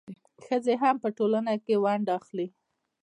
ښځې هم په ټولنه کې ونډه اخلي.